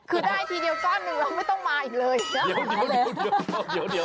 คือได้ทีเดียวก้อนหนึ่งแล้วไม่ต้องมาอีกเลยเดี๋ยว